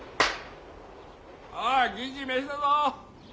・おい銀次飯だぞ！